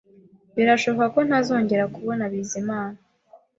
Birashoboka ko ntazongera kubona Bizimana